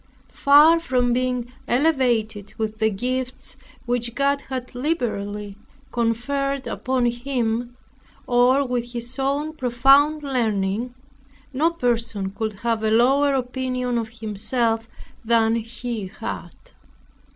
Far from being elevated with the gifts which God had liberally conferred upon him, or with his own profound learning, no person could have a lower opinion of himself than he had.